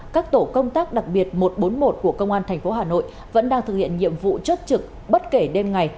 các tổ công tác đặc biệt một trăm bốn mươi một của công an tp hà nội vẫn đang thực hiện nhiệm vụ chốt trực bất kể đêm ngày